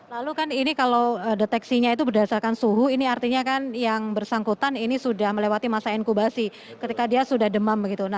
lalu kan ini kalau deteksinya itu berdasarkan suhu ini artinya kan yang bersangkutan ini sudah melewati masa inkubasi ketika dia sudah demam begitu